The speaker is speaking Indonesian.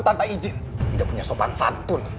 tanpa izin tidak punya sopan santun